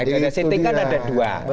agenda setting kan ada dua